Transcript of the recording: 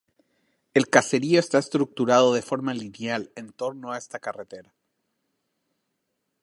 El caserío está estructurado de forma lineal en torno a esta carretera.